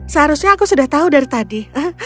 seharusnya aku sudah tahu dari tadi